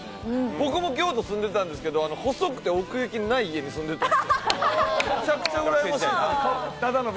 僕も京都に住んでたんですけど、細くて奥行きない家に住んでたんで。